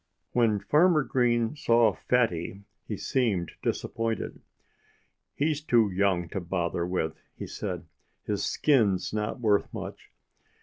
When Farmer Green saw Fatty he seemed disappointed. "He's too young to bother with," he said. "His skin's not worth much.